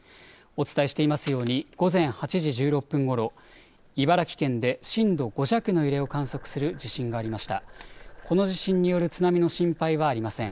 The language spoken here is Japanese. お伝えしていますように午前８時１６分ごろ、茨城県で震度５弱の揺れを観測する地震がありました。